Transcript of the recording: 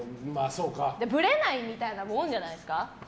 ぶれないみたいなもんじゃないんですか。